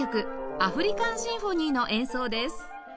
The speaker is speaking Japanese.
『アフリカン・シンフォニー』の演奏です